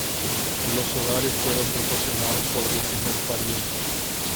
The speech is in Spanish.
Los hogares fueron proporcionados por el Sr. Pariente.